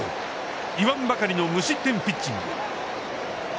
言わんばかりの無失点ピッチング。